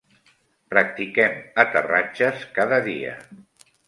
Practiquem aterratges cada dia.